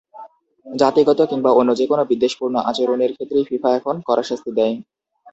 জাতিগত কিংবা অন্য যেকোনো বিদ্বেষপূর্ণ আচরণের ক্ষেত্রেই ফিফা এখন কড়া শাস্তি দেয়।